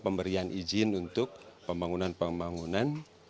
pemberian izin untuk pembangunan pembangunan